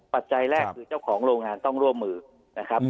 ปัจจัยแรกคือเจ้าของโรงงานต้องร่วมมือนะครับ